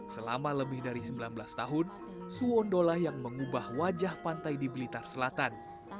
selama lebih dari sembilan belas tahun suwondo lah yang mengubah wajah pantai di blitar selatan